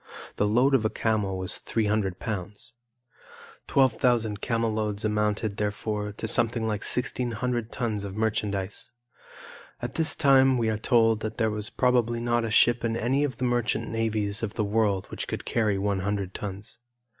The load of a camel was three hundred pounds. 12,000 camel loads amounted, therefore, to something like 1,600 tons of merchandise. At this time we are told that there was probably not a ship in any of the merchant navies of the world which could carry one hundred tons.